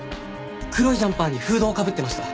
黒いジャンパーにフードをかぶってました。